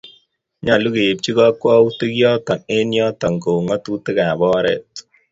Nyolu keipchi kokwoutiik yotok eng yotok kou eng ng'atutiikab oreet.